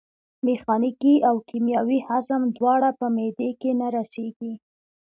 میخانیکي او کیمیاوي هضم دواړه په معدې کې نه رسېږي.